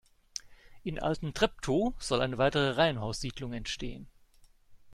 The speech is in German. In Altentreptow soll eine weitere Reihenhaussiedlung entstehen.